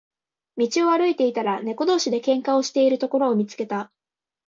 道を歩いていたら、猫同士で喧嘩をしているところを見つけた。